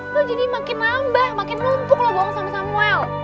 lo jadi makin lambah makin lumpuh lo bohong sama samuel